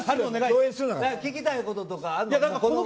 聞きたいこととかあるの。